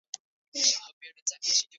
后于嘉靖三十九年时遭到裁撤。